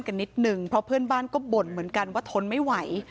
กันนิดนึงเพราะเพื่อนบ้านก็บ่นเหมือนกันว่าทนไม่ไหว